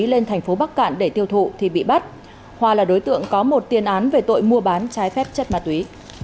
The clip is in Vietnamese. lên thành phố bắc cạn để tiêu thụ thì bị bắt hoa là đối tượng có một tiền án về tội mua bán trái phép chất ma túy